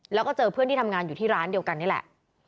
แล้วก็เจอเพื่อนที่ทำงานอยู่ที่ร้านเดียวกันนี่แหละ